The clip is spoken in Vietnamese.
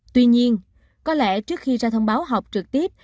tuy nhiên có lẽ trước khi ra thông báo họp trực tiếp